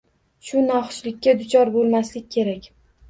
Shu noxushlikka duchor bo’lmaslik kerak.